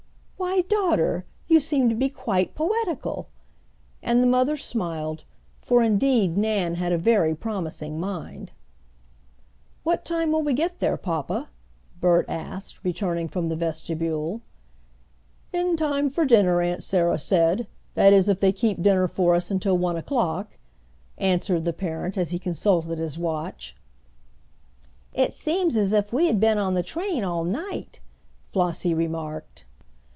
"Why, daughter, you seem to be quite poetical!" and the mother smiled, for indeed Nan had a very promising mind. "What time will we get there, papa?" Bert asked, returning from the vestibule. "In time for dinner Aunt Sarah said, that is if they keep dinner for us until one o'clock," answered the parent, as he consulted his watch. "It seems as if we had been on the train all night," Flossie remarked.